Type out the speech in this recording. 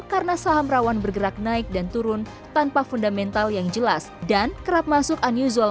karena saham rawan bergerak naik dan turun tanpa fundamental yang jelas dan kerap masuk unusual